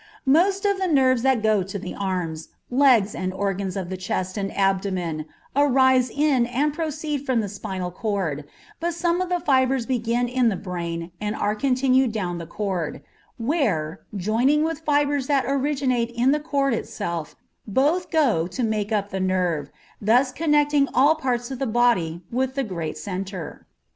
Most of the nerves that go to the arms, legs, and organs of the chest and abdomen, arise in and proceed from the spinal cord, but some of the fibres begin in the brain and are continued down the cord, where, joining with fibres that originate in the cord itself, both go to make up the nerve, thus connecting all parts of the body with the great centre.